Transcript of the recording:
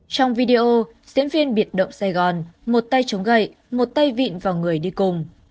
trong video diễn viên biệt động sài gòn một tay chống gậy một tay vịn vào người đi cùng